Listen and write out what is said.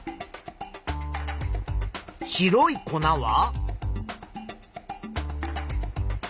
白い粉は？